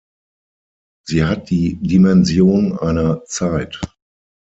Sie hat die Dimension einer Zeit.